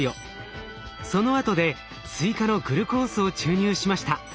そのあとで追加のグルコースを注入しました。